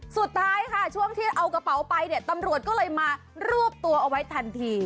สุดท้ายค่ะช่วงที่เอากระเป๋าไปเนี่ยตำรวจก็เลยมารวบตัวเอาไว้ทันที